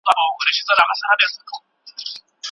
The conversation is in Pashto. استاد د مقالې بنسټیزه بڼه خاماخا سموي.